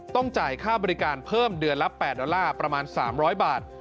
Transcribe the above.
ต้องจ่ายค่าบริการเพิ่มเดือนละ๘ดอลลาร์ประมาณ๓๐๐บาท